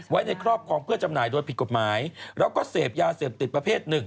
ไว้ในครอบครองเพื่อจำหน่ายโดยผิดกฎหมายแล้วก็เสพยาเสพติดประเภทหนึ่ง